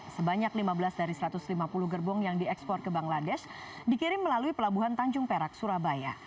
sebanyak lima belas dari satu ratus lima puluh gerbong yang diekspor ke bangladesh dikirim melalui pelabuhan tanjung perak surabaya